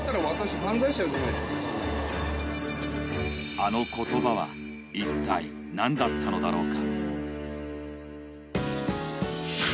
あの言葉は一体何だったのだろうか。